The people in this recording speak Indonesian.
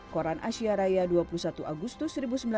koran asia raya dua puluh satu agustus seribu sembilan ratus empat puluh